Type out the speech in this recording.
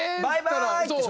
「バイバイ」って。